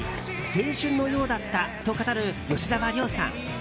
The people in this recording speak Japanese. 青春のようだったと語る吉沢亮さん。